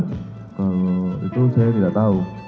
kalau itu saya tidak tahu